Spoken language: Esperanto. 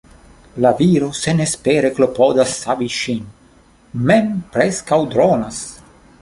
La viro senespere klopodas savi ŝin, mem preskaŭ dronas.